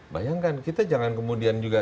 bayangkan kita jangan kemudian juga